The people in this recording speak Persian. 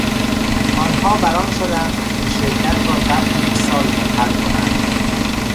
آنها برآن شدند که شرکت را ظرف یکسال منحل کنند.